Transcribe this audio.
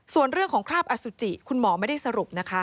ส่วนเรื่องของคราบอสุจิคุณหมอไม่ได้สรุปนะคะ